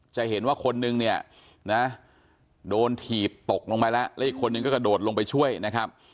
จะเห็นว่าคนนึงเนี่ยนะโดนถีบตกลงไปแล้วแล้วอีกคนนึงก็กระโดดลงไปช่วยนะครับ